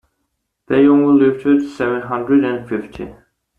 They only lifted seven hundred and fifty.